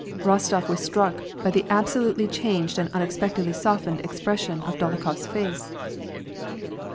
Bostof was struck by the absolutely changed and unexpectedly softened expression of Dolokhof's face.